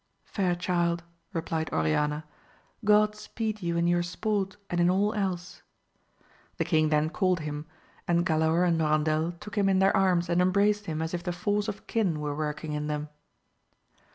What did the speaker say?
Fair child, replied Oriana, God speed you in your sport and in all else. The king then called him, and Galaor and Norandel took him in their arms and embraced him as if the force of kin were working in them.